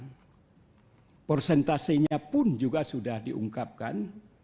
dan persentasenya pun juga sudah diungkapkan